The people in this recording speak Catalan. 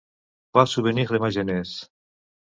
‘Trois souvenirs de ma jeunesse’.